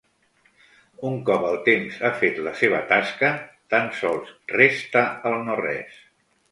Un cop el temps ha fet la seva tasca, tan sols resta el no-res.